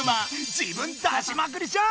自分出しまくりじゃん！